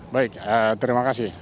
baik terima kasih